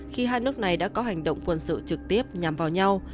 khi hai nước này đã có hành động quân sự trực tiếp nhằm vào nhau